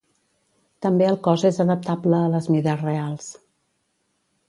També el cos és adaptable a les mides reals.